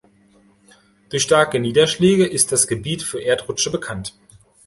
Durch starke Niederschläge ist das Gebiet für Erdrutsche bekannt.